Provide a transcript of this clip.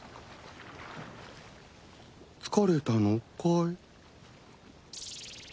疲れたのかい？